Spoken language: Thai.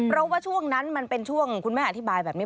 เพราะว่าช่วงนั้นมันเป็นช่วงคุณแม่อธิบายแบบนี้